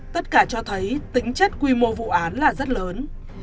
tất cả cho thấy tính chất quy mô vụ án là rất lớn